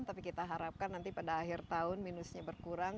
tapi kita harapkan nanti pada akhir tahun minusnya berkurang